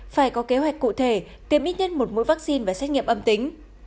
phải có kế hoạch cụ thể tiêm ít nhất một mũi vaccine và xét nghiệm âm tính